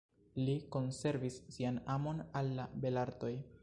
Li konservis sian amon al la belartoj.